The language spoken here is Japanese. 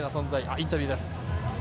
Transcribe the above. インタビューです。